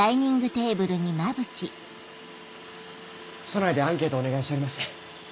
署内でアンケートをお願いしておりまして。